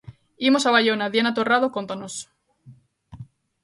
Imos a Baiona, Diana Torrado, cóntanos.